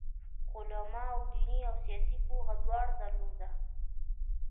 علماوو دیني او سیاسي پوهه دواړه درلوده.